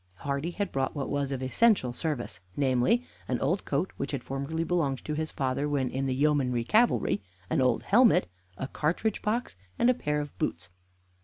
Hardy had brought what was of essential service namely, an old coat which had formerly belonged to his father when in the yeomanry cavalry, an old helmet, a cartridge box, and a pair of boots.